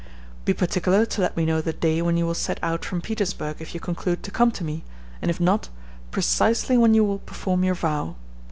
"Be particular to let me know the day when you will set out from Petersburg, if you conclude to come to me, and, if not, precisely when you will perform your vow.